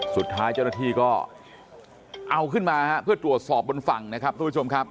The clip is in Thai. สุดท้ายเจ้าหน้าที่ก็เอาขึ้นมาเพื่อตรวจสอบบนฝั่งนะครับทุกผู้ชมครับ